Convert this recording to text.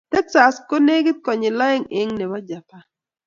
Texas ko nekit konyil aeng eng nebo Japan